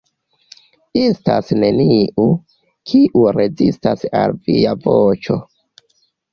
Estas neniu, kiu rezistas al Via voĉo.